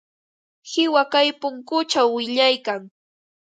Qiwa kay punkućhaw wiñaykan.